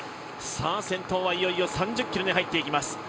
先頭はいよいよ３０ｋｍに入っていきます。